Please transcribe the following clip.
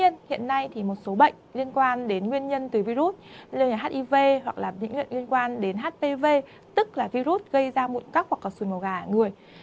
nhiều bệnh liên quan đến nguyên nhân từ virus hiv hoặc là những liên quan đến hpv tức là virus gây ra mụn cóc hoặc sùi màu gà ở người